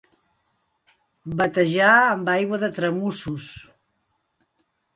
Batejar amb aigua de tramussos.